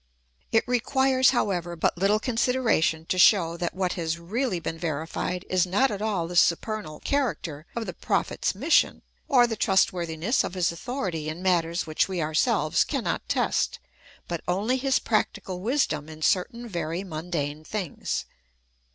It requires, however, but httle consideration to show that what has really been verified is not at all the supernal character of the Prophet's mission, or the trust worthiness of his authority in matters which we ourselves cannot test, but only his practical wisdom in certain very mundane things.